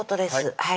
はい